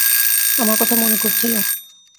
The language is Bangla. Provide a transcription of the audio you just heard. আমার কথা মনে পড়ছিল?